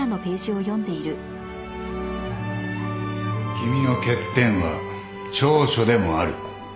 君の欠点は長所でもある。